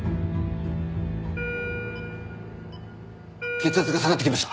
血圧が下がってきました。